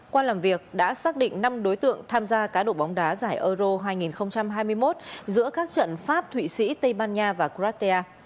qua làm việc đã xác định năm đối tượng tham gia cá độ bóng đá giải euro hai nghìn hai mươi một giữa các trận pháp thụy sĩ tây ban nha và kratia